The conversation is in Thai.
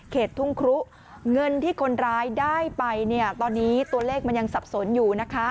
ทุ่งครุเงินที่คนร้ายได้ไปเนี่ยตอนนี้ตัวเลขมันยังสับสนอยู่นะคะ